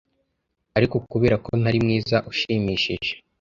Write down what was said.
ariko kubera ko ntari mwiza ushimishije